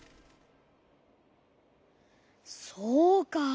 そうか。